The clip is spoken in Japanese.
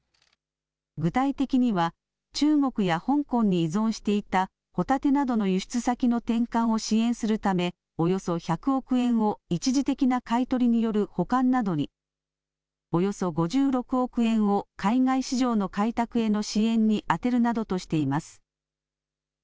具体的には中国や香港に依存していたホタテなどの輸出先の転換を支援するためおよそ１００億円を一時的な買い取りによる保管などに、およそ５６億円を海外市場の開拓への支援に充てるなどとしています。